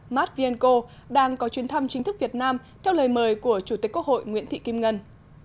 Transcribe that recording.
matvienko đang có chuyến thăm chính thức việt nam theo lời mời của chủ tịch quốc hội nguyễn thị kim ngân